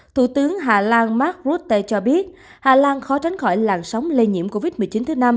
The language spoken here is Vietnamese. thủ tướng hà lan mark rutte cho biết hà lan khó tránh khỏi làn sóng lây nhiễm covid một mươi chín thứ năm